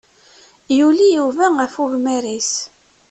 Yuli Yuba ɣef ugmar-is.